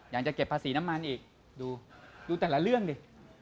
อยากจะเก็บภาษีน้ำมันอีกดูดูแต่ละเรื่องดิ